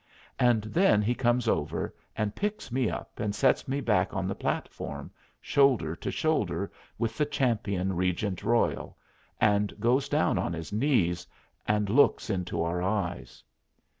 And then he comes over and picks up me and sets me back on the platform, shoulder to shoulder with the Champion Regent Royal, and goes down on his knees, and looks into our eyes.